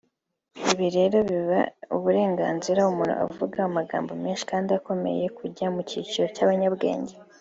Ibi rero biha uburenganzira umuntu uvuga amagambo menshi kandi akomeye kujya mu cyiciro cy’abanyabwenge